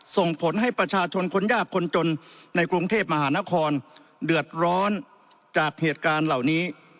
ส่งผลให้ประชาชนคนยากคนจนในกรุงเทพมหานครเดือดร้อนจากเหตุการณ์เหล่านี้